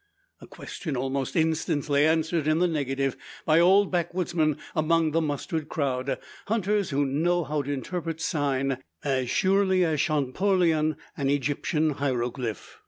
A question almost instantly answered in the negative; by old backwoodsmen among the mustered crowd hunters who know how to interpret "sign" as surely as Champollion an Egyptian hieroglyph.